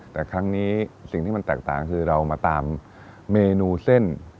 แต่ครั้งนี้สิ่งที่มันแตกต่างคือเรามาตามเมนูเส้น